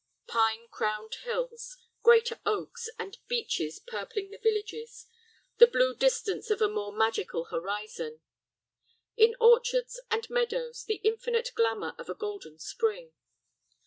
Pine crowned hills, great oaks and beeches purpling the villages, the blue distance of a more magical horizon. In orchards and meadows the infinite glamour of a golden spring.